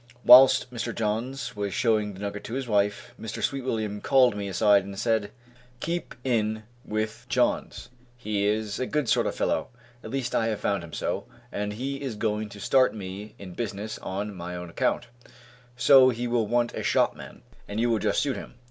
Whilst Mr Johns was showing the nugget to his wife, Mr. Sweetwilliam called me aside and said, "Keep in with Johns, he is a good sort of fellow, at least I have found him so, and he is going to start me in business on my own account, so he will want a shopman, and you will just suit him."